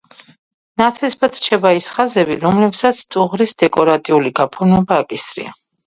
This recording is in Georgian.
ნაცრისფრად რჩება ის ხაზები, რომლებსაც ტუღრის დეკორატიული გაფორმება აკისრია.